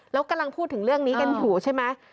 แล้วกำลังพูดถึงเรื่องนี้กันอยู่ใช่ไหม